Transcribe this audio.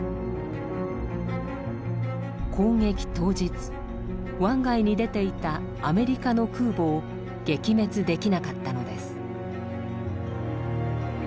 攻撃当日湾外に出ていたアメリカの空母を撃滅できなかったのです。